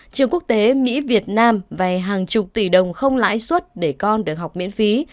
trường quốc tế mỹ việt nam vay hàng chục tỷ đồng không lãi suất để con được học miễn phí